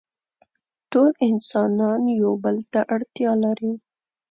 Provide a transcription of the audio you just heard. ټول انسانان يو بل ته اړتيا لري.